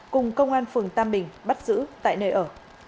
cùng công an phường tam bình bắt giữ tại nơi ở